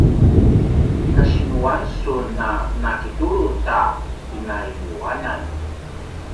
kasinuan sun a na kitulu ta pinayuanan?